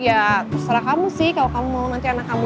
ya terserah kamu sih kalau kamu mau nanti anak kamu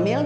ngiloran